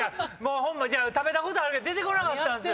ホンマ食べたことあるけど出てこなかったんすよ。